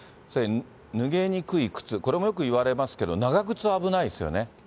脱げにくい靴、これもよくいわれますけど、長靴は危ないですよね。